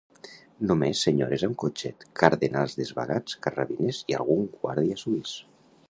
Només senyores amb cotxet, cardenals desvagats, carrabiners i algun guàrdia suís.